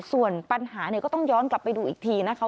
ส่วนปัญหาเนี่ยก็ต้องย้อนกลับไปดูอีกทีนะคะ